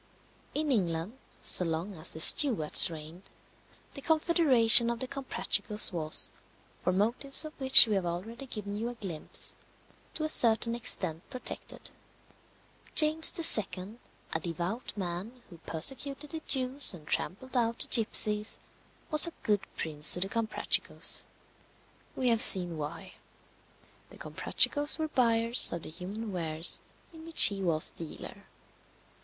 In England, so long as the Stuarts reigned, the confederation of the Comprachicos was (for motives of which we have already given you a glimpse) to a certain extent protected. James II., a devout man, who persecuted the Jews and trampled out the gipsies, was a good prince to the Comprachicos. We have seen why. The Comprachicos were buyers of the human wares in which he was dealer.